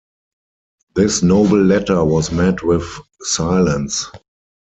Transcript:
This noble letter was met with silence.